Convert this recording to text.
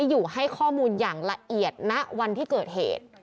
อย่างละเอียดณวันที่เกิดเหตุ